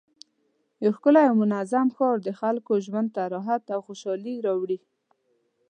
یو ښکلی او منظم ښار د خلکو ژوند ته راحت او خوشحالي راوړي